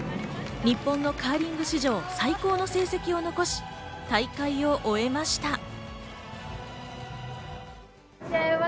日本のカーリング史上最高の成績を残し、大会を終えました。